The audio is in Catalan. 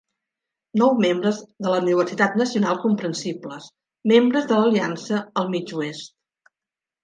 "Nou membres de la Universitat Nacional comprensibles, membres de l'Aliança al mig oest".